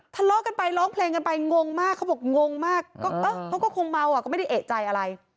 ทะเลาะกันไปร้องเพลงกันไปงงมากเขาบอกงงมากก็เออเขาก็คงเมาอ่ะก็ไม่ได้เอกใจอะไร